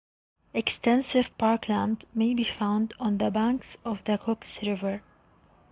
Extensive parkland may be found on the banks of the Cooks River.